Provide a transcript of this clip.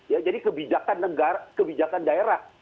ya jadi kebijakan negara kebijakan daerah